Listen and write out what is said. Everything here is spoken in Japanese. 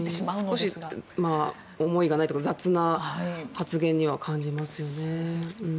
少し思いがないというか雑な発言には感じますよね。